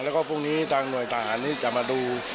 แล้วก็พรุ่งนี้ทางหน่วยทหารนี้จะมาดู